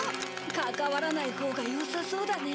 関わらないほうがよさそうだね。